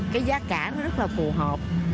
cái giá cả rất là phù hợp